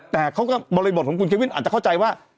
แต่เขาก็บริบทของคุณเควินอาจจะเข้าใจว่า